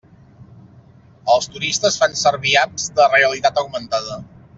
Els turistes fan servir apps de realitat augmentada.